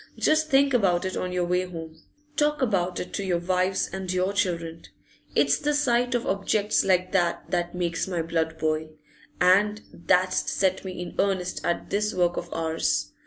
Just think about it on your way home; talk about it to your wives and your children. It's the sight of objects like that that makes my blood boil, and that's set me in earnest at this work of ours.